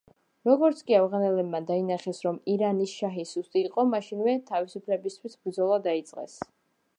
როგორც კი ავღანელებმა დაინახეს, რომ ირანის შაჰი სუსტი იყო, მაშინვე თავისუფლებისათვის ბრძოლა დაიწყეს.